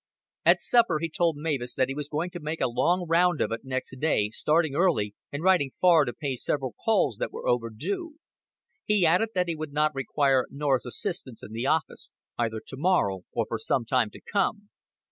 At supper he told Mavis that he was going to make a long round of it next day, starting early, and riding far to pay several calls that were overdue. He added that he would not require Norah's assistance in the office, either to morrow or for some time to come.